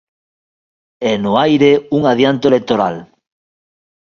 E, no aire, un adianto electoral.